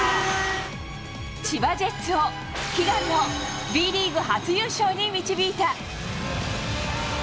千葉ジェッツを悲願のＢリーグ初優勝に導いた。